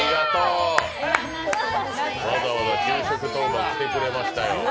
わざわざ給食当番来てくれましたよ。